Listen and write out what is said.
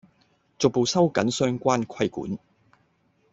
逐步收緊相關規管